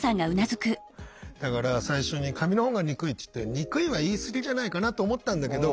だから最初に「紙の本が憎い」って言って憎いは言い過ぎじゃないかなと思ったんだけど